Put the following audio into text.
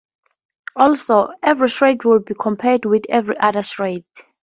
Also, every shred would be compared with every other shred.